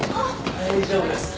大丈夫です。